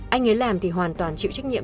anh ấy làm thì hoàn toàn chịu trách nhiệm